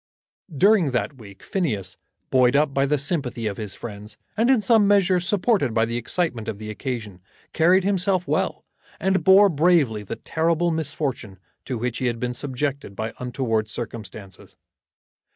During that week Phineas, buoyed up by the sympathy of his friends, and in some measure supported by the excitement of the occasion, carried himself well, and bore bravely the terrible misfortune to which he had been subjected by untoward circumstances.